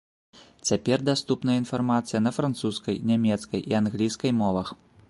Цяпер даступная інфармацыя на французскай, нямецкай і англійскай мовах.